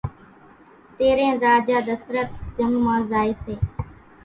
تيرين راجا ڌسترت جنگ مان زائي سي